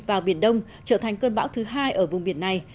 vào biển đông trở thành cơn bão thứ hai ở vùng biển này